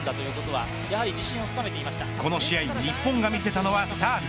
この試合日本が見せたのはサーブ。